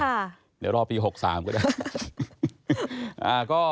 เดี๋ยวรอปี๖๓ก็ได้